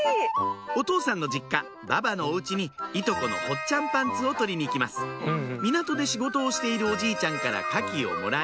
お父さんの実家ばばのお家にいとこのほっちゃんパンツを取りに行きます港で仕事をしているおじいちゃんからカキをもらい